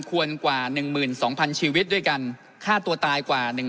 ควรกว่าหนึ่งหมื่นสองพันชีวิตด้วยกันค่าตัวตายกว่าหนึ่ง